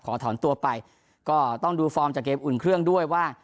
ขอถอนตัวไปก็ต้องดูฟอร์มจากเกมอุ่นเครื่องด้วยว่า